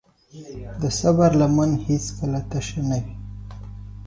د صبر لمن هیڅکله تشه نه وي.